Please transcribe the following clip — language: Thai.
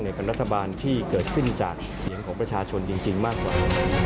กับรัฐบาลที่เกิดขึ้นจากเสียงของประชาชนจริงมากกว่า